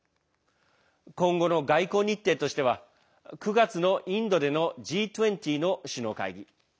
今後の外交日程としては９月のインドでのＧ２０の首脳会議。